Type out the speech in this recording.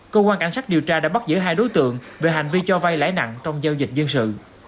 công an cảnh sát điều tra đã bắt giữa hai đối tượng về hành vi cho vay lãi nặng trong giao dịch dân sự